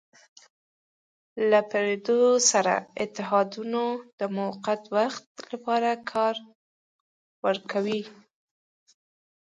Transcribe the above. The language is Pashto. له پردیو سره اتحادونه د موقت وخت لپاره کار ورکوي.